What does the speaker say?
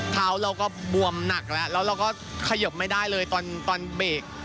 เท้าเราก็บวมหนักแล้วแล้วเราก็ขยบไม่ได้เลยตอนเบรก